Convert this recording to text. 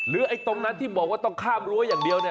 ไอ้ตรงนั้นที่บอกว่าต้องข้ามรั้วอย่างเดียวเนี่ย